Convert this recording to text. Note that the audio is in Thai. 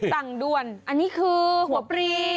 สั่งด่วนอันนี้คือหัวปรี